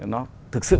nó thực sự